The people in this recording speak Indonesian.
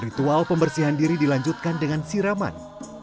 ritual pembersihan diri dilanjutkan dengan siraman